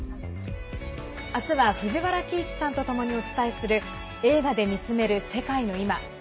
明日は藤原帰一さんとともにお伝えする「映画で見つめる世界のいま」。